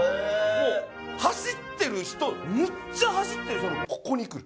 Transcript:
もう走ってる人のむっちゃ走ってる人のここにくる。